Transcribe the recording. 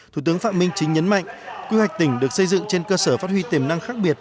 thủ tướng phạm minh chính nhấn mạnh quy hoạch tỉnh được xây dựng trên cơ sở phát huy tiềm năng khác biệt